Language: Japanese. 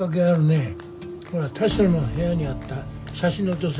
ほら田代の部屋にあった写真の女性。